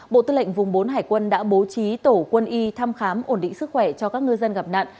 bộ tư lệnh vùng bốn hải quân đã bố trí tổ quân y thăm khám ổn định sức khỏe cho các ngư dân gặp nạn